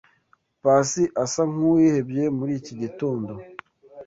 Pacy asa nkuwihebye muri iki gitondo.